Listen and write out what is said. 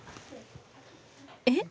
えっ？